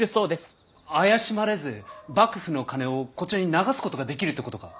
怪しまれず幕府の金をこちらに流すことができるってことか。